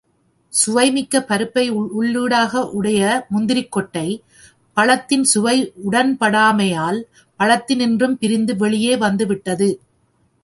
சுவைமிக்க பருப்பை உள்ளிடாக உடைய முந்திரிக் கொட்டை, பழத்தின் சுவை உடன்படாமையால் பழத்தினின்று பிரிந்து வெளியே வந்துவிட்டது.